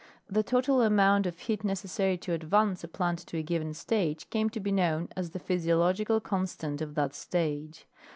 The total amount of heat necessary to advance a plant to a given stage came to be known as the physiological constant of that stage.